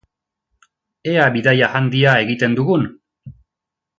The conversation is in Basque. Ea bidaia handia egiten dugun!